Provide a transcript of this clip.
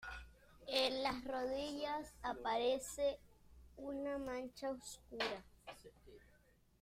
En las rodillas aparece una mancha oscura.